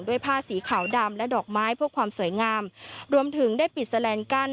ผ้าสีขาวดำและดอกไม้เพื่อความสวยงามรวมถึงได้ปิดแสลนกั้น